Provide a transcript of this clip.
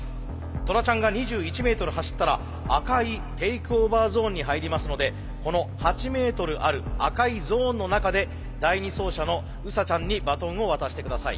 トラちゃんが２１メートル走ったら赤いテイクオーバーゾーンに入りますのでこの８メートルある赤いゾーンの中で第２走者のウサちゃんにバトンを渡して下さい。